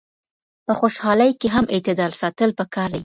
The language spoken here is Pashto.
په خوشحالۍ کي هم اعتدال ساتل پکار دي.